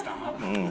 うん。